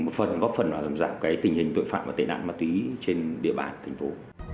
một phần góp phần vào giảm giảm cái tình hình tội phạm và tệ nạn ma túy trên địa bàn thành phố